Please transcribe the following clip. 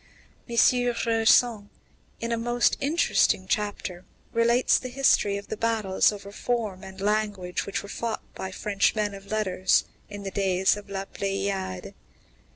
M. Jusserand, in a most interesting chapter, relates the story of the battles over form and language which were fought by French men of letters in the days of La Pléiade.